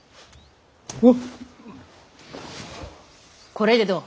これでどう？